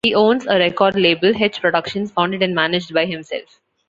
He owns a record label, H. Productions, founded and managed by himself.